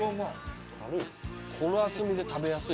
この厚みで食べやすい。